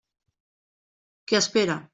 Què espera?